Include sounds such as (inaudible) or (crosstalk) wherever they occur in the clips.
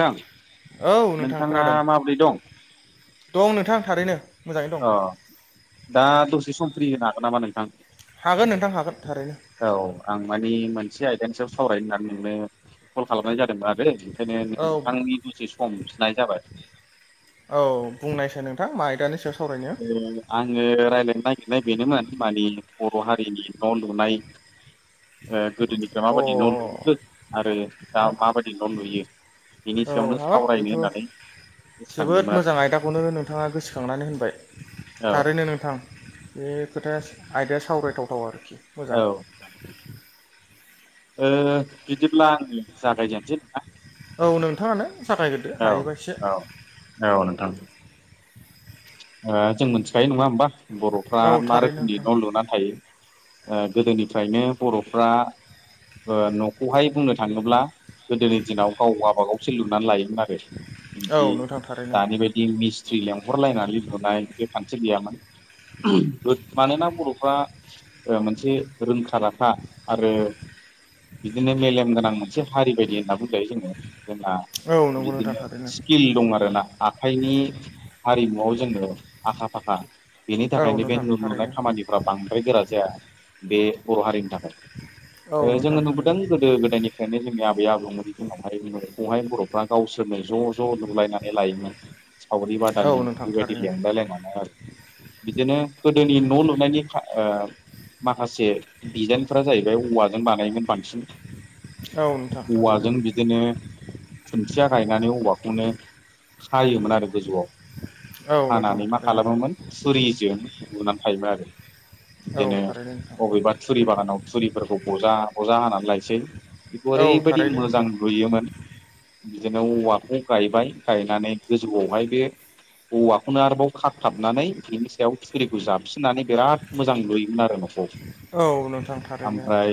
नोंथां नोंथां नोंथाङा खोनादों। माबोरै दं दं नोंथां थारैनो। मोजाङैनो दं अ दा दसे सम फ्रि होनो हागोन नामा नोंथां? हागोन नोंथां हागोन थारैनो औ आं मानि मोनसे आयदानि सायाव सावरायनो होननानै नोंनो कल खालामनाय जादोंमोन बे ओंखायनो औ नोंथांनि दसे सम बिनाय जाबाय औ बुंनायसै नोंथां मा आयदानि सायाव सावरायनो ए आङो रायलायनो नागिरनाय बेनोमोन मानि। बर' हारिनि न' लुनाय । गोदोनिफ्राय अ माबायदि न' लुबोखो आरो दा हाब माबायदि न' लुयो। बिनि औ सायावनो हाब सावरायनो बेथ'। होननानै जोबोद गोसोखांदोंमोन आरो मोजां आयदाखौनो नोंथाङा गोसोखांनानै होनबाय। औ थारैनो नोंथां बे खोथाया आयदाया सावरायथावथाव आरो। औ मोजां। बिदिब्ला आङो जागायजेनोसै नोंथां। औ नोंथाङानो जागायग्रोदो हायोबा एसे। औ औ औ नोंथां जों मोनथि खायो नङा होमबा बर'फ्रा औ मा थारैनो रोखोमनि नोंथां न' लुनानै थायो। गोदोनिफ्रायनो बर'फ्रा न'खौहाय बुंनो थाङोब्ला गोदोनि दिनाव गाव गाबागावसो लुनानै लायोमोन आरो औ बिदि नोंथां थारैनो दानि बायदि मिस लेंहरलायनानै न' लुनाय बे खान्थि गैयामोन मानोना बर'फ्रा। मोनसे रोंखा आरो बिदिनो मेलेम गोनां मोनसे हारि बायदि होनना बुंजायो जोङो। जोंना औ नंगौ नोंथां बिदिनो थारैनो स्किल दं आरोना आखाइनि हारिमुआव जोंङोनो आखा फाखा बेनि औ थाखायनो बे नोंथां न 'लुनाय थारैनो खामानिफ्रा बांद्राय गोरा जाया बे बर' हारिनि औ थाखाय। नोंथां जोङो नुबोदों थारैनो गोदो गोदायनिफ्रायनो जोंनि आबौ आबौमोननि दिनावहाय बेहाय बर'फ्रा गावसोरनो ज' ज' नुलायनानै लायोमोन सावरि औ बादालि नोंथां बिबादि थारैनो लेंलाय लायनानै गोदोनि न' लुनायनि माखासे दिडिजाइनफोरा जायो बे औवाजों बानायमोन बांसिन औ नोंथां थारैनो औवाजों बिदिनो खुन्थिया गायनानै औवाखौनो खायोमोन आरो गोजौआव औ नोंथां खानानै मा थारैनो खालामोमोन थुरिजों लुनानै थायोमोन आरो। औ बिदिनो थारैनो नोंथां बबेबा थुरि बागानाव थुरिफोरखौ बजा बजा हानानै लायसै बेखौ औ ओरैबायदि थारैनो मोजां नोंथां लुयोमोन। बिदिनो औवाखौ गायबाय गायनानै गोजौआवहाय बे औवाखौनो आरोबाव खाथाबनानै बेनि सायाव थुरिखौ जाबसिननानै बिराद मोजां लुयोमोन आरो न'खौ औ नोंथां । थारैनो ओमफ्राय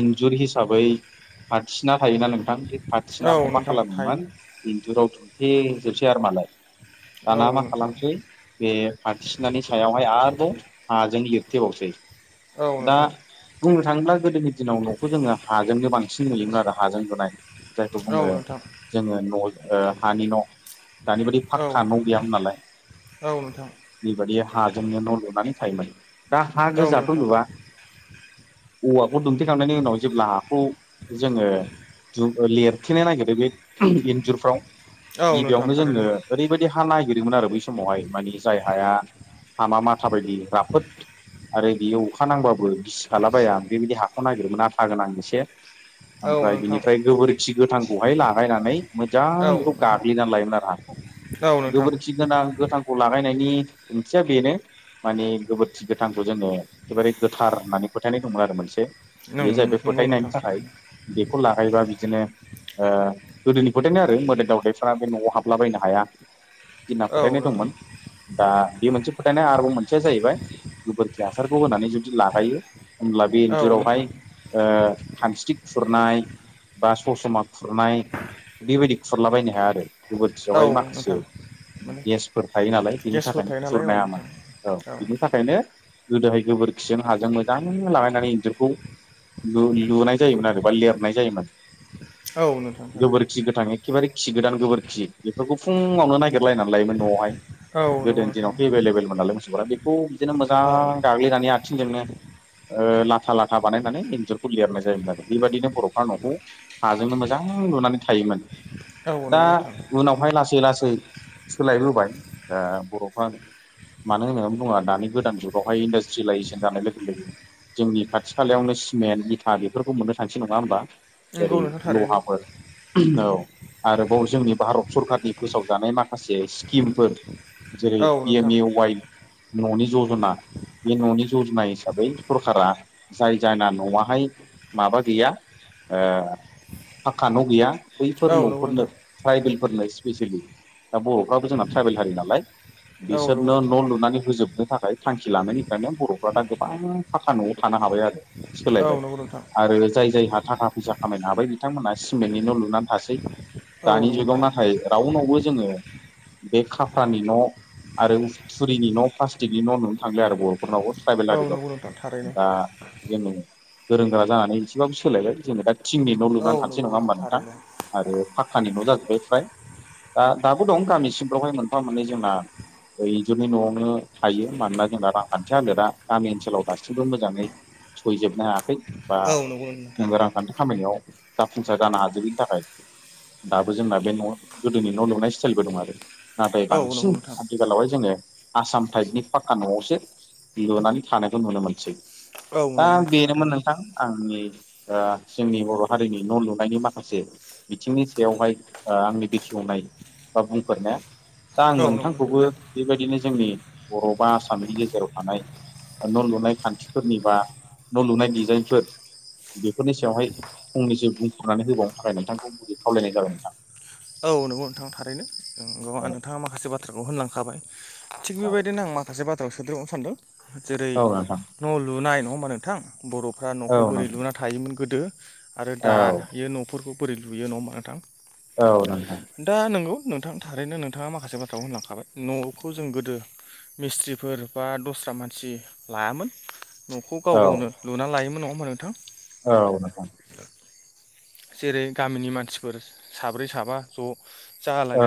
इन्जुर हिसाबै हिसाबै फाथिसेना थायोना नोंथां बे औ फाथिसेनाखौ मा नोंथां थायो खालामोमोन इन्जुराव दुम (inaudible) दाना औ मा नोंथां खालामसै बे फाथिसेनानि सायावहाय आरो। आ जों लिरथि बावसो औ दा नोंथां बुंनो थाङोब्ला गोदोनि दिनाव न'खौ जोङो हाजोंनो बांसिन नुयोमोन आरो हाजों लुनाय जायखौ बुङो औ नोंथां जोङो न' ओ हानि न' दानि बायदि फा औ क्का न' गैयामोन नालाय नोंथां बेबादि हाजोंनो न' लुनानै थायोमोन । दा हा औ गोजाथ' नोंथां नुवा औवाखौ दुमथेखांनायनि उनाव जेब्ला हाखौ जोङो लिरथेनो नागिरो बे इन्जुरफ्राव औ नोंथां गिबियावनो जोङो थारैनो ओरैबायदि हा नागिरोमोन आरो बै समावहाय मानिे जाय हाया हामा माथा बायदि राफोद आरो बियो अखा नांबाबो गिसिखालाबाया बेबायदि हाखौ नागिरोमोन आदा गोनां एसे औ ओमफ्राय नोंथां बिनिफ्राय गोबोरखि गोथांखौहाय लागायनानै मोजां औ बेखौ नोंथां गाग्लिनानै लायोमोन आरो हाखौ औ नोंथां गोबोरखि गोनां गोथांखौ लागायनायनि ओंथिया बेनो । माने गोबोरखि गोथांखौ जोङो एखेबारे गोथार होननानै फोथायनाय दंमोन आरो मोनसे । बे जाहैबाय नंगौ नोंथां फोथायनायनि थाखाय थारैनो बेखौ लागायबा बिदिनो ओ गोदोनि फोथायनाय आरो मोदाय दावदायफ्रा बे न'आव हाबलाबायनो हाया। बिदिहोनना औ फोथायनाय नोंथां दंमोन दा बे मोनसे फोथायनाय आरोबाव मोनसेया जाहैबाय गोबोरखि हासारखौ होनानै जुदि लागायो। होमब्ला बे औ इन्जुरावहाय नोंथां ओ खामस्रि खुरनाय बा सस्रमा खुरनाय बेबायदि खुरलाबायायनो हाया आरो। औ गोबोखियावहाय माखासे नोंथां। माने गेसफोर थायो नालाय बेनि गेसफोर थाखायनो थायो नालाय औ गुरनायामोन नोंथां औ बिनि थाखायनो गोदोहाय गोबोरखिजों हाजों मोजां लागायनानै इन्जुरखौ लुनाय जायोमोन आरो बा लिरनाय जायोमोन औ नोंथां थारैनो गोबोरखि गोथां एखेबारे खि गोदान गोबोरखि बेफोरखौ फुङावनो नायगिरलायनानै लायोमोन न'आवहाय औ गोदो नंगौ नोंथां दिनावथ' एभेलेबेलमोन नालाय मोसौफोरा बेखौ बिदिनो मोजां औ गाग्लिनानै आ थिंजोंनो ओ लाथा लाथा बानायनानै इन्जुरखौ लिरनाय जायोमोन आरो बेबायदिनो बर'फ्रा न'खौ हाजोंनो मोजां लुनानै थायोमोन दा नंगौ नोंथां उनावहाय लासै लासै सोलायबोबाय बर'फ्रा। मानो होननानै बुङोबा दानि गोदान जुगावहाय इन्डासट्रियेलाइजेसन जानाय लोगो लोगो। जोंनि खाथि खालायावनो सिमेन्ट इथा बेफोरखौ मोननो थांसै नङा होमबा? ओरै नंगौ नोंथां थारैनो लहाफोर औ आरोबाव जोंनि भारत सरखारनि फोसावजानाय माखासे स्किमफोर जेरै औ पि एम नोंथां ए वाइ न'नि जज'ना बे न'नि जजना हिसाबै सरखारा जाय जायना न'आहाय माबा गैया। ओ फाक्का न' गैया। औ बैफोर नंगौ न'फोरनो नोंथां ट्राइबेलफोरनो स्पेसियेलि दा बर'फ्राबो जोंना ट्राइबेल हारि नालाय। औ नंगौ बिसोरनो नोंथां न' लुनानै होजोबनो थाखाय थांखि लानायनिफ्रायनो बर'फ्रा दा गोबां फाखा न'आव थानो हाबाय आरो। औ सोलायबाय नंगौ नोंथां आरो जाय जाय हा थाखा फैसा खामायनो हाबाय बिथांमोनहा सिमेन्टनि न' लुनानै थासै औ दानि नंगौ जुगाव नोंथां नाथाय राउनावबो जोङो बे खाफ्रानि न' आरो थुरिनि न' प्लास्टिकनि न' नुनो थांलिया आरो बर'फोरनावबो ट्राइबेल औ आरिफ्रा नंगौ नोंथां थारैनो दा जोङो गोरों गोरा जानानै एसेबाबो सोलायबाय जोङो दा थिंनि न औ लुनानै थानोसै नंगौ नङा होमबा नोंथां थारैनो आरो। फाख्खानि न' जाजोब्बाय फ्राय दा दाबो दं गामिसिं फ्रावहाय मोनफा मोननै जोंना। इन्जुरनि न'आवनो थायो मानोना जोंना रांखान्थि हलोदा गामि ओनसोलाव दासिमबो मोजाङै सहैजोबनो हायाखै बा औ नंगौ नोंथां जोङो थारैनो रांखान्थि खामायनायाव जाफुंसार जानो हाजोबिनि थाखाय दाबो जोंना बे न'आव गोदोनि न' लुनाय स्टाइलबो दं आरो नाथाय औ नंगौ बांसिन नोंथां आथिखालावहाय जोङो। आसाम टाइपनि फाक्का न'आवसो लुनानै थानायखौ नुनो मोनसै। औ दा नंगौ नोंथां बेनोमोन थारैनो नोंथां आंनि। ओ जोंनि बर' हारिनि न' लुनायनि माखासे बिथिंनि सायावहाय ओ आंनि बेखि दौनाय बा बुंफोरनाया दा आं औ नंगौ नोंथांखौबो नोंथां बेबायदिनो जोंनि बर' बा आसामनि गेजेराव थानाय न' लुनाय खान्थिफोरनि बा न' लुनाय डिजाइनफोर। बेफोरनि सायावहाय फंनैसो बुंफोरनानै होबावनो थाखाय नोंथांखौ गुरै खावलायनाय जाबाय नोंथां। औ नंगौ नोंथां थारैनो नोंगौआनोंथाङा माखासे बाथ्राखौ होनलांखाबाय। थिग बेबायदिनो आं माखासे बाथ्राखौ सोदेरबनो सानदों जेरै औ नोंथां न' लुनाय नङा होमबा नोंथां। बर'फ्रा औ न'खौ बोरै नोंथां लुना थायोमोन गोदो। आरो दा औ यो न'फोरखौ बोरै लुयो नङा होमबा नोंथां। औ नोंथां। दा नंगौ नोंथां थारैनो नोंथाङा माखासे बाथ्राखौ होनलांखाबाय न'खौ जों गोदो मिस्थ्रिफोर बा दस्रा मानसि लायामोन। न'खौ गाव औ गावनो लुना लायोमोन नङा होमबा नोंथां? औ नोंगौ। जेरै गामिनि मानसिफोर साब्रै साबा ज'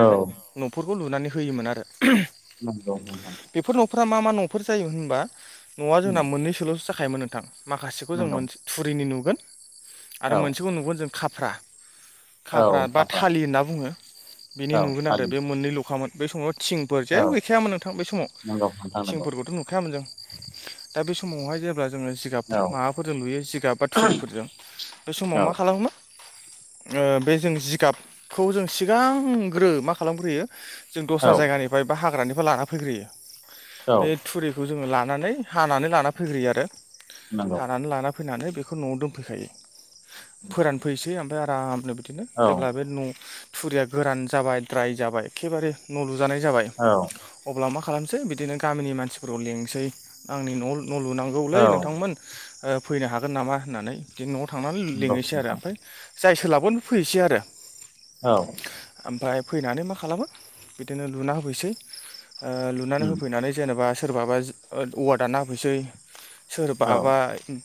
औ न'फोर खौ लुनानै होयोमोन आरो। नंगौ नोंथां। फ्रा मा मा न'फोर जायोमोन होनबा न'आ उम जोंना मोननैसोल'सो जाखायोमोन नोंथां। माखासेखौ जों नंगौ मोनस थुरिनि नुगोन। औ आरो मोनसेखौ नुगोन जों खाफ्रा औ खाफ्रा बा खाफा थालि होनना बुङो। बिनि औ नुगोन आरो फालि बे मोननै ल'खामोन बे समाव। थिंफोर औ जेबो गैखायामोन नोंथां बे समाव नंगौ नोंथां नंगौ थिंफोरखौथ' नुखायामोन जों। दा बे समावहाय जेब्ला जोङो जिगाब औ माबाफोरजों लुयो जिगाब बा थुरिफोरजों बे समाव औ मा खालामोमोन। ओ बे जों जिगाबखौ जों सिगांग्रो मा खालामग्रोयो। जों दस्रा औ जायगानिफ्राय बा हाग्रानिफ्राय लाना फैग्रोयो औ बे थुरिखौ। जोङो लानानै हानानै लाना फैग्रोयो आरो नंगौ हानानै लाना फैनानै बेखौ न'आव दोनफैखायो फोरानफैसै ओमफ्राय आरामनो बिदिनो औ जेब्ला बे न' थुरिया गोरान जाबाय द्राय जाबाय एखेबारे न' लु जानाय जाबाय औ अब्ला मा खालामसै बिदिनो गामिनि मानसिफोरखौ लेंसै आंनि न'आव न' लुनांगौलै औ नोंथांमोन ओ फैनो हागोन नामा होननानै बिदि न'आव थांनानै नंगौ लि‌ङैसै आरो नोंथां ओमफाय जाय सोलाबगोन फैसै आरो। औ। ओमफ्राय फैनानै मा खालामो बिदिनो लुना होफैसै ओ लुनानै उम होफैनानै जेनेबा सोरबाबा जि ओ औवा दानना होफैसै औ सोरबाबा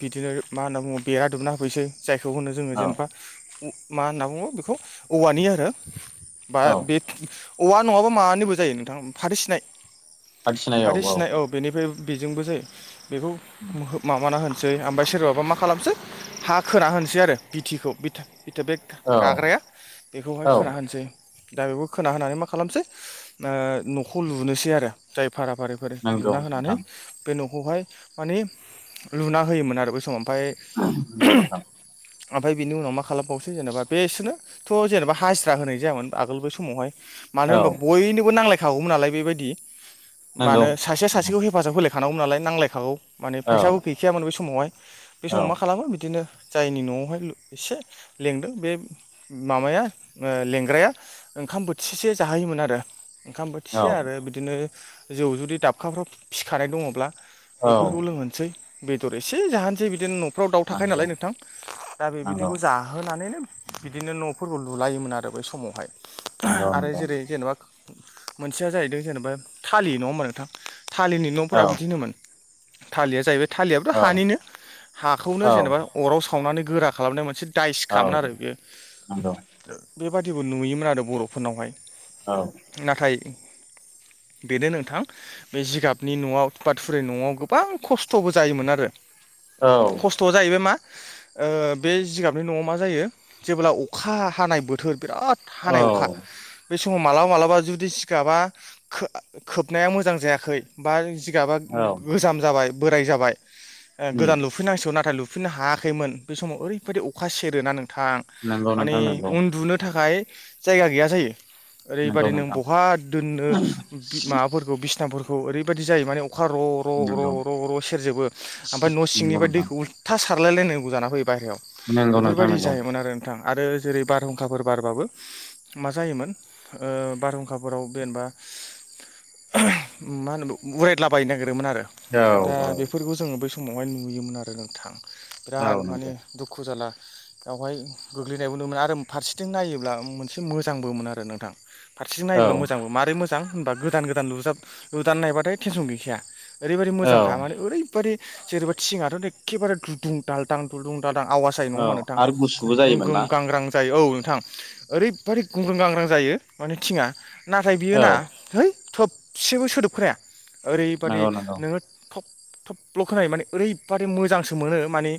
बिदिनो मा होनना बुङो बेरा दुमना होफैसै जायखौ होनो जोङो औ जेनेबा मा होनना बुङो बेखौ औवानि आरो बा औ बे औवा नङाबा मानोबो जायो नोंथां फाथो सिनाय फाथो सिनाय औ बेनिफ्रायब बेजोंबो जायो बेखौ मोहो माबाना होनो सै ओमफ्राय सोरबाबा मा खालामसै हा खोना होनोसै आरो बिथिखौ बिथा थोबेक औ गाग्राया बेखौहाय औ खोना होनोसै। दा बेखौ खोना होनानै मा खालामसै ओ न'खौ लुनोसै आरो जाय भारा फारि फारि नंगौ लुना होनानै नोंथां बे न'खौहाय माने लुना होयोमोन आरो बै समाव। ओमफ्राय औ नोंथां। ओमफ्राय बिनि उनाव मा खालामबावसै जेनेबा बेसोरनो थ' जेनेबा हासिरा होनाय जायामोन आगोल बे समावहाय। मानो होनबा औ बयनोबो नांलायखागौमोन नालाय बेबायदि नंगौ मानो सासेया सासेखौ हेफाजाब होलायख थानांगौमोन नालाय नांलायखागौ माने औ फैसाबो गैखायामोन बे समावहाय बे औ समाव मा खालामो बिदिनो जायनि न'आवहाय एसे लेंदों बे माबाया ओ लेंग्राया ओंखाम बोथिसे जाहोयोमोन आरो। ओंखाम औ बोथिसे आरो बिदिनो जौ जुदि दाबखाफ्राव फिखानाय दङब्ला औ बेफोरखौ लोंहोसै बेदर एसे जाहोनसै बिदिनो न' फ्राव दाउ थाखायो नंगौ नालाय नोंथां दा नंगौ बेबायदिखौ जा नोनो बिदिनो न'फोरखौ लुलायोमोन आरो बै समावहाय नंगौ आरो नंगौ जेरै जेनेबा मोनसेया जाहैदों जेनेबा थालि न' होनबा नोंथां थालिनि न'फोरा औ बिदि होनोमोन। थालिया जाहैबाय थाालियाथ' औ हानिनो हाखौनो औ जेनेबा अराव सावनानै गोरा खालामनाय मोनसे दाय सिखामोन औ आरो बेयो नंगौ बेबादिबो नुयोमोन आरो बर'फोरनावहाय। औ नाथाय (inaudible) बेनो नोंथां बे जिगाबनि न'आव थुवा थुरि न'आव गोबां खस्थ'बो जायोमोन आरो। औ खस्थ'आ जाहैबाय मा ओ बे जिगाब मफ्राय न'आव मा जायो जेब्ला अखा हानाय बोथोर बिराद हानाय अखा औ बे समाव मालाबा मालाबा जुदि सिगाबा खोबनाया मोजां जायाखै बा गा गोज जाबाय बोराय जाबाय उम गोदान लुफैनांसिगौ नुै सुफिननो हायाखैमोन बे समाव ओरैबायदि अखा सेरोना नोंथां नंगौ माने नोंथां नंगौ उन्दुनो थाखाय जायगा गैया जायो नंगौ ओरैबादि नों नोंथां बहा दोननो माबाफोरखौ बिसनाफोरखौ ओरैबाददि जायो माने अखा र' र' र' नंगौ र' र' सेरजोबो ओमफ्राय न' नंगौ सिंनिफ्राय नोंथां दैखौ थास खारलायलायनांगौ जाना फैयो बायहेरायाव नंगौ नोंथां बेफोरबायदि नंगौ जायोमोन आरो नोंथाङा आरो जेरै बारहुंखाफोर बारबाबो मा जायोमोन बारहुंखाफोराव जेनेबा (inaudible) मा होनो उरायदलाबायाय नागिर ओमोन आरो औ दा औ बेफोरखौ जोङो बै समावहाय नुयोमोन आरो नोंथां औ बिराद माने नंगौ दुखु जाला बेावहाय गोग्लैनायबो नु मोनो आरो फारसेथिं नायोब्ला मोनसे मोजांबो मोन आरो नोंथां फारसेथिं औ नायब्ला मोजांबो मारै मोजां होनबा गोदान गोदानज लुदनानै नायबाथाय टेनसन गैखाया ओरैबादि औ मोांख मान ओरैबाददि जेरैा थिङआथ' एखेबारे दुदुं दालदां दुदुं दालांव नङा औ मा आरो गुसुबो जायोमोन ना नोंथां गांग्रां जायो औ नोंथां ओरैबाददि गुंग्रों गांग्रां जायो माने थिं आ नाथाय औ बियोोना है थबसेबो सोदोबख्राया ओरैबादि नंगौ नंगौ नोङो थब थब्ल' खोनायो माने ओरैबादि मोजांसो मोनो माने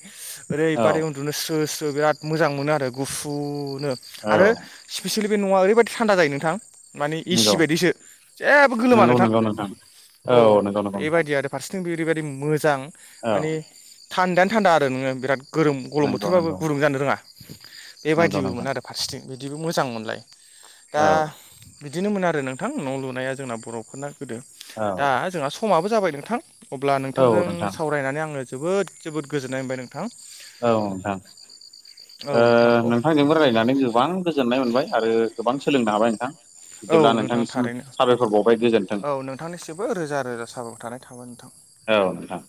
औ ओरैबादि उन्दुनो स्रो स्रो बिराद मोजां मोनो आरो गुफुनो औ आरो स्पिसियेल बे नङा ओरैबायदि थान्दा जायो नोंथां माने नंगौ एसि बायदिसो जेबो गोलोमा नंगौ नोंथां नंगौ औ नंगौ नंगौ नोंथां बेबायदि आरो फारसेथिं बे ओरैबायदि मोजां औ माने थान्दायानो थान्दा आरो नोङो बिराद गोरों गलम नंगौ बोथोरबाबो नंगौ गुदुं जानो रोङा नंगौ बेबायदिबोमोन नोंथां आरो फारसेथिं बिदिबो मोजांमोनलाय दा औ बिदिनोमोन आरो नोंथां न' लुनाया जोंना बर'फोरना गोदो औ दा जोंना समाबो जाबाय नोंथां अब्ला औ नोंथांजों नोंथां सावरायनानै आङो जोबोद जोबोद गोजोननाय मोनबाय नोंथां औ नोंथां औ नोंथां औ नोंथांजोंबो रायज्लायनानै गोबां गोजोननाय मोनबाय आरो गोबां सोलोंनो हाबाय नोंथां औ बिदिब्ला नोंथां नोंथांनिसिम थारैनो साबायखर बावबाय गोजोन्थों औ नोंथांनिसिबो रोजा रोजा साबाय थानाय थाबाय नोंथां औ नोंथां